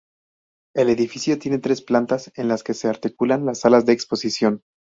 El edificio tiene tres plantas en las que se articulan las salas de exposición.